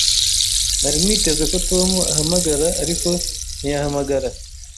Nari niteze ko Tom ahamagara, ariko ntiyahamagara.